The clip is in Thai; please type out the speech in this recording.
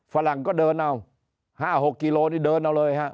ฝรั่งก็เดินเอา๕๖กิโลนี่เดินเอาเลยฮะ